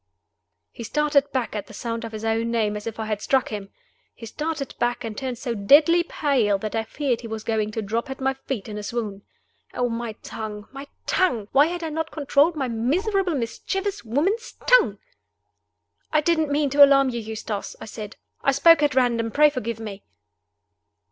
He started back at the sound of his own name as if I had struck him he started back, and turned so deadly pale that I feared he was going to drop at my feet in a swoon. Oh, my tongue! my tongue! Why had I not controlled my miserable, mischievous woman's tongue! "I didn't mean to alarm you, Eustace," I said. "I spoke at random. Pray forgive me."